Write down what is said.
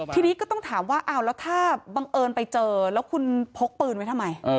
ทีนี้ก็ต้องถามว่าอ้าวแล้วถ้าบังเอิญไปเจอแล้วคุณพกปืนไว้ทำไม